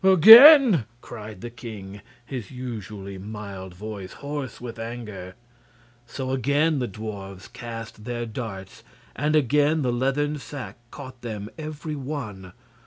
"Again!" screamed the king, his usually mild voice hoarse with anger. So again the dwarfs cast their darts, and again the leathern sack caught them every one.